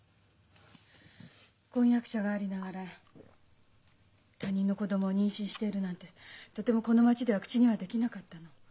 婚約者がありながら他人の子供を妊娠してるなんてとてもこの町では口にはできなかったの。